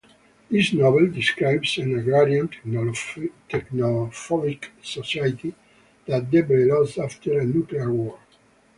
This novel describes an agrarian, technophobic society that develops after a nuclear war.